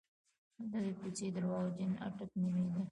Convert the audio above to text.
د دغې کوڅې درواغجن اټک نومېده.